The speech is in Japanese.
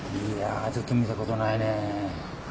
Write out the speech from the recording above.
いやちょっと見たことないね。